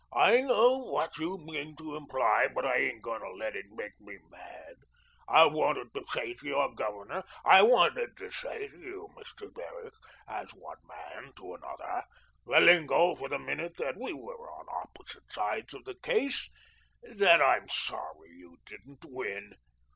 "I know what you mean to imply, but I ain't going to let it make me get mad. I wanted to say to your Governor I wanted to say to you, Mr. Derrick as one man to another letting alone for the minute that we were on opposite sides of the case that I'm sorry you didn't win.